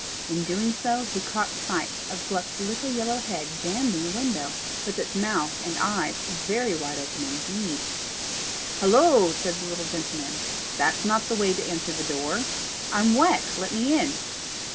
In so doing he caught sight of Gluck's little yellow head jammed in the window, with its mouth and eyes very wide open indeed. "Hollo!" said the little gentleman, "that's not the way to answer the door. I'm wet, let me in."